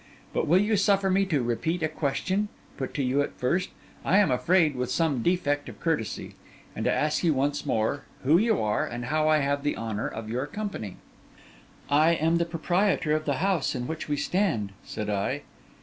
But will you suffer me to repeat a question, put to you at first, I am afraid, with some defect of courtesy; and to ask you once more, who you are and how I have the honour of your company?' 'I am the proprietor of the house in which we stand,' said I.